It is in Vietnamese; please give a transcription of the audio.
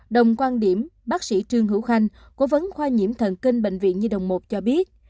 đồng quan điểm bác sĩ trương hữu khanh cố vấn khoa nhiễm thần kinh bệnh viện nhi đồng một cho biết